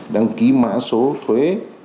đăng ký mã số thuế